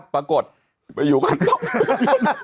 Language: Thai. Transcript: ปรากฏไปอยู่กันต้อมเสริมยนต์